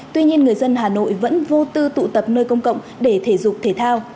tuy nhiên người dân hà nội vẫn vô tư tụ tập nơi công cộng để thể dục thể thao